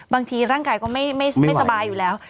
บางทีร่างกายก็ไม่สบายอยู่แล้ว